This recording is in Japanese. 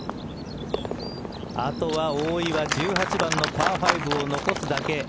あとは大岩１８番のパーパットを残すだけ。